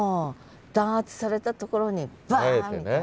弾圧されたところにバーンみたいな。